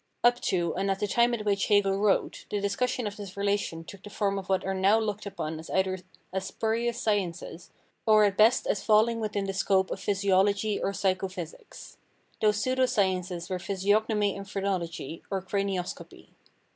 Up to and at the time at which Hegel wrote, the discussion of this relation took the form of what are now looked upon either as spurious sciences or at best as falling within the scope of physiology or psycho physics. Those pseudo sciences were Physiognomy and Phrenology or Cranioscopy.